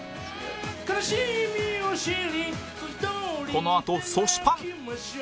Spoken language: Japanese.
このあとそしパン